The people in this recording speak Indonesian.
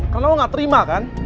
karena lo gak terima kan